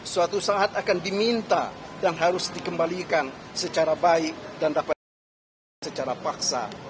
suatu saat akan diminta dan harus dikembalikan secara baik dan dapat diselesaikan secara paksa